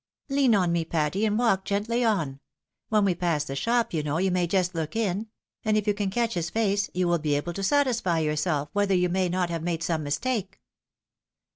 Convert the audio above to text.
Lean on me, Patty, and walk gently on. When we pass the shop, you know, you may just look in ; and if you can catch his face, you will be able to satisfy yourself whether you may not have made some mistake."